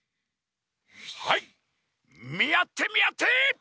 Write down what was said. はいみあってみあって！